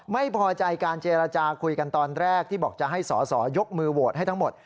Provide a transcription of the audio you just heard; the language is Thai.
ไม่พอใจการเจรจาคุยกันตอนแรกที่บอกจะให้สอสอยกมือโหวตให้ทั้งหมด